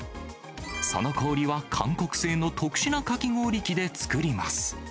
その氷は韓国製の特殊なかき氷機で作ります。